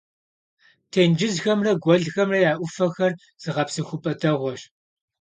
Тенджызхэмрэ гуэлхэмрэ я Ӏуфэхэр зыгъэпсэхупӀэ дэгъуэщ.